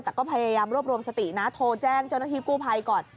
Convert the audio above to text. แต่ก็พยายามรวบรวมสตินะโทรแจ้งเจ้าหน้าที่กู้ภัยก่อน